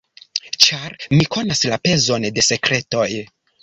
Ĉar mi konas la pezon de sekretoj.